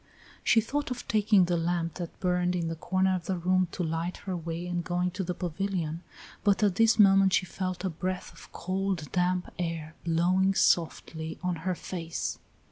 She thought of taking the lamp that burned in the corner of the room to light her way and going to the pavilion, but at this moment she felt a breath of cold damp air blowing softly on her face.